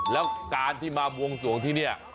แล้วการที่มาบวงสวงที่นี่